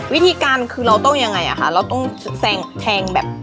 วิธีการคือเราต้องยังไงอ่ะคะเราต้องแทงแบบ